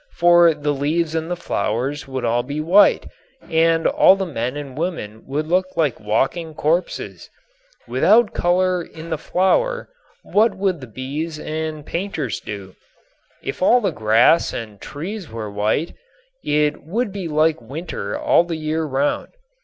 For the leaves and the flowers would all be white, and all the men and women would look like walking corpses. Without color in the flower what would the bees and painters do? If all the grass and trees were white, it would be like winter all the year round.